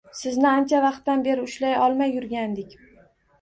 Sizni ancha vaqtdan beri ushlay olmay yurgandik